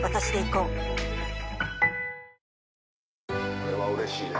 これはうれしいで。